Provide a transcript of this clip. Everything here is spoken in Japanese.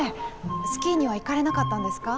スキーには行かれなかったんですか？